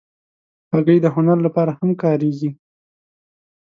هګۍ د هنر لپاره هم کارېږي.